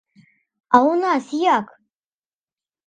А ў нас як?